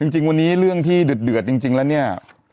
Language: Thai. จริงวันนี้เรื่องที่เดือดจริงแล้วเนี่ย